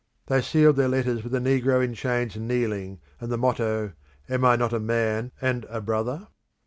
They sealed their letters with a negro in chains kneeling, and the motto, "Am I not a man and a brother?"